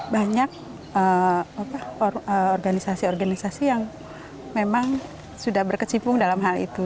banyak organisasi organisasi yang memang sudah berkecimpung dalam hal itu